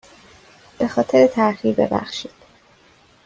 به خاطر تاخیر ببخشید.